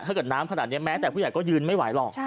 ถ้าเกิดน้ำขนาดนี้แม้แต่ผู้ใหญ่ก็ยืนไม่ไหวหรอก